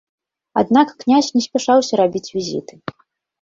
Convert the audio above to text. Аднак князь не спяшаўся рабіць візіты.